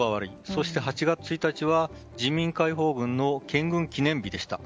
そして８月１日には人民解放軍の健軍記念日でした。